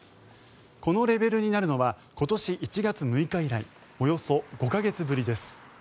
このレベルになるのは今年１月６日以来およそ５か月ぶりです。